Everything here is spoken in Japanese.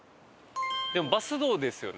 でもバス道ですよね？